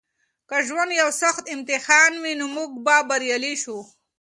که ژوند یو سخت امتحان وي نو موږ به بریالي شو.